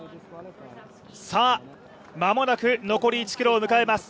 間もなく残り１ｋｍを迎えます。